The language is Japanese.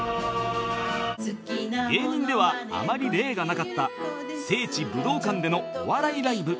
芸人ではあまり例がなかった聖地武道館でのお笑いライブ